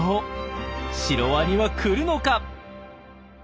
シロワニは来るのか？